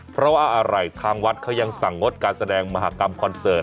เพราะว่าอะไรทางวัดเขายังสั่งงดการแสดงมหากรรมคอนเสิร์ต